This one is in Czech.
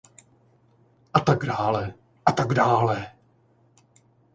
A tak dále a tak dále.